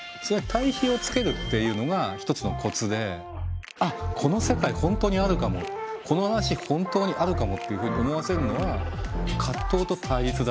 対比をつけるっていうのが一つのコツであっこの世界本当にあるかもこの話本当にあるかもっていうふうに思わせるのは葛藤と対立だっていうね。